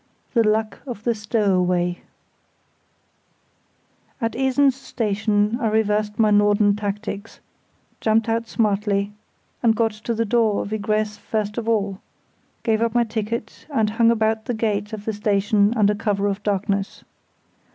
The Luck of the Stowaway At Esens Station I reversed my Norden tactics, jumped out smartly, and got to the door of egress first of all, gave up my ticket, and hung about the gate of the station under cover of darkness.